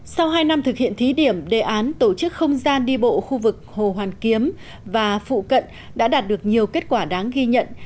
sau hai năm thực hiện thí điểm đề án tổ chức không gian đi bộ khu vực hồ hoàn kiếm và phụ cận đã đạt được nhiều kết quả đáng ghi nhận